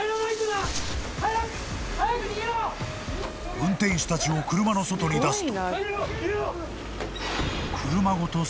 ［運転手たちを車の外に出すと］